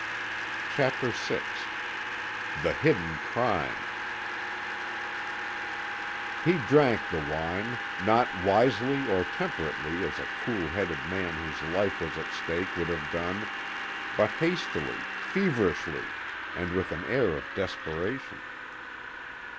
CHAPTER VI THE HIDDEN CRIME "He drank the wine, not wisely or temperately as a cool headed man whose life was at stake would have done, but hastily, feverishly, and with an air of desperation.